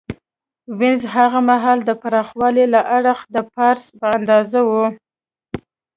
وینز هغه مهال د پراخوالي له اړخه د پاریس په اندازه و